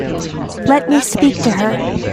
Let me speak to her.